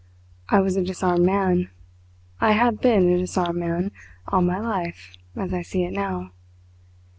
I was a disarmed man, I have been a disarmed man all my life as I see it now.